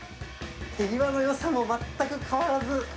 手際のよさも全く変わらず。